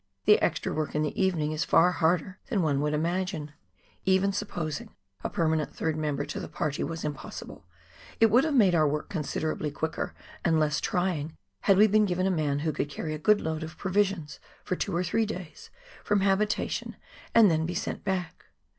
The extra work in the evening is far harder than one would imagine. Even supposing a permanent third member to the party was impossible, it would have made our work considerably quicker and less trying had we been given a man who could carry a good load of provisions, for two or three days, from habitation, and then be sent back.